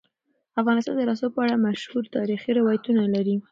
افغانستان د رسوب په اړه مشهور تاریخی روایتونه لري.